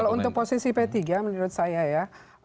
kalau untuk posisi p tiga menurut saya ya